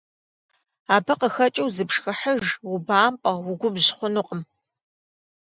Абы къыхэкӀыу, зыпшхыхьыж, убампӀэ, угубжь хъунукъым.